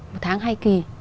một tháng hai kỳ